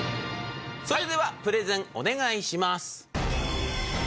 それではプレゼンお願いします。